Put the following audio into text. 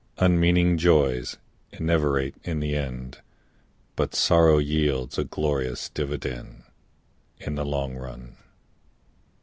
Unmeaning joys enervate in the end, But sorrow yields a glorious dividend In the long run.